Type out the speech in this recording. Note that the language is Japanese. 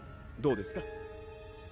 どうですか？